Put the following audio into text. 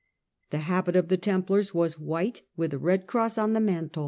The habit of the Templars was white, with a red cross on the mantle.